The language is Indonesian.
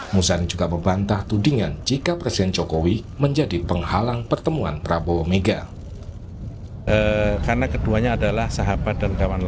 muzani juga membantah tudingan jika presiden jokowi menjadi penghalang pertemuan prabowo mega